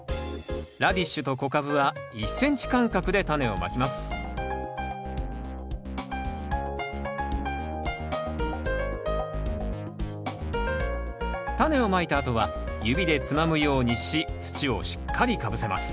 ラディッシュと小カブは１ｃｍ間隔でタネをまきますタネをまいたあとは指でつまむようにし土をしっかりかぶせます